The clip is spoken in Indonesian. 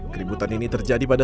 keributan ini terjadi pada